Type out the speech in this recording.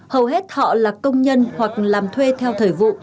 hầu hết họ là công nhân hoặc làm thuê theo thời vụ